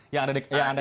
yang anda katakan tadi